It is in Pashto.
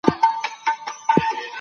دا ماده لنډمهاله ځواک ورکوي.